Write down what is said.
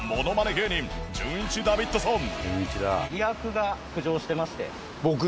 芸人じゅんいちダビッドソン。